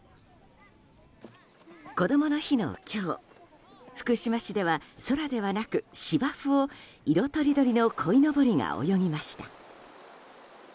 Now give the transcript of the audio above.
こどもの日の今日福島市では、空ではなく芝生を色とりどりのこいのぼりが泳ぎました。